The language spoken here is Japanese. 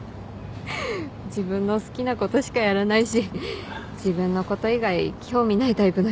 自分の好きなことしかやらないし自分のこと以外興味ないタイプの人で。